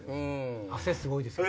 汗すごいですけど。